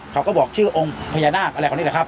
เขาก็บอกชื่อองค์พญานาคอะไรคนนี้แหละครับ